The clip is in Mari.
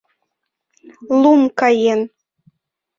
Лум каен.